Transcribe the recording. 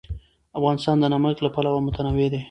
افغانستان د نمک له پلوه متنوع دی.